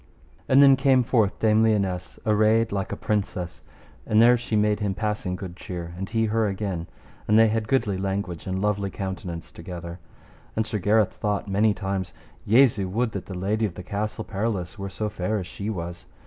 And then came forth Dame Lionesse arrayed like a princess, and there she made him passing good cheer, and he her again; and they had goodly language and lovely countenance together. And Sir Gareth thought many times, Jesu, would that the lady of the Castle Perilous were so fair as she was.